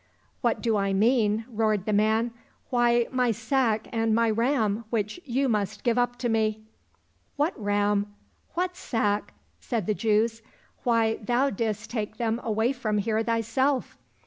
—" What do I mean ?" roared the man ;'' why, my sack and my ram, which you must give up to me." —" What ram ? What sack ?" said the Jews ;" why, thou didst take them away from here thyself."